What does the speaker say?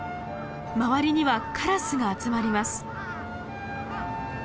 周りにはカラスが集まります。